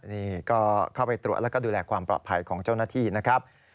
นี่ก็เข้าไปตรวจแล้วก็ดูแลความปลอดภัยของเจ้าหน้าที่นะครับ